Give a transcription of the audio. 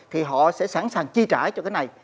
thì họ sẽ sẵn sàng chi trả cho cái này